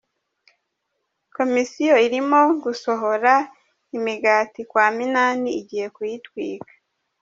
Komisiyo irimo gusohora imigati kwa Minani igiye kuyitwika.